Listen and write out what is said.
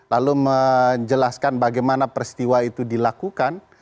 lalu menjelaskan bagaimana peristiwa itu dilakukan